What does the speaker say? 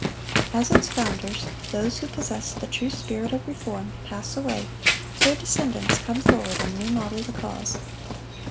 As its founders, those who possessed the true spirit of reform, pass away, their descendants come forward and "new model the cause."